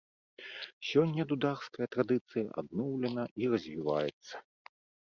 Сёння дударская традыцыя адноўлена і развіваецца.